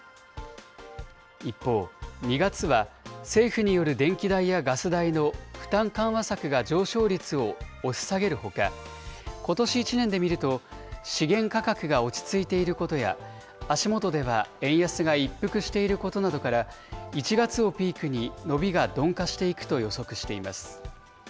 一方、２月は、政府による電気代やガス代の負担緩和策が上昇率を押し下げるほか、ことし１年で見ると、資源価格が落ち着いていることや、足元では円安が一服していることなどから、１月をピークに伸びが鈍化していくと予測しています。